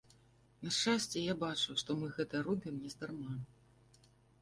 На шчасце, я бачу, што мы гэта робім нездарма.